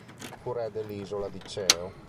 Fu re dell'isola di Ceo.